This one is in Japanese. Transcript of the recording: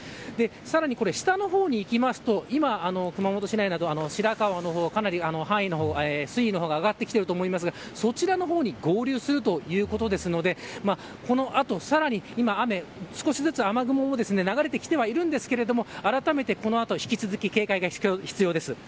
さらに下の方にいきますと今、熊本市内などかなり水位が上がってきてると思いますがそちらの方に合流するということなのでこの後、さらに今、雨少しずつ雨雲も流れてきてはいるんですがあらためて、この後引き続き警戒が必要です。